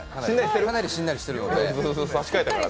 かなりしてりしてるんで。